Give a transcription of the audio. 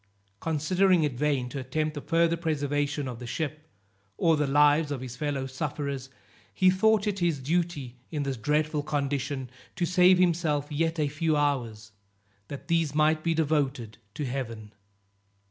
Considering it vain to attempt the further preservation of the ship, or the lives of his fellow sufferers, he thought it his duty, in this dreadful condition, to save himself yet a few hours, that these might be devoted to Heaven.